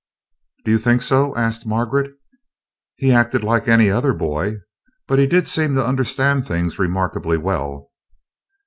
"Do you think so?" asked Margaret. "He acted like any other boy, but he did seem to understand things remarkably well."